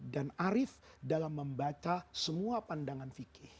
dan arif dalam membaca semua pandangan fikir